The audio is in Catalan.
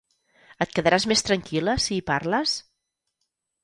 Et quedaràs més tranquil·la si hi parles?